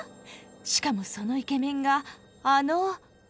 しかもそのイケメンがあの。